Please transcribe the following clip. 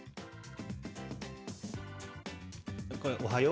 これ、おはよう？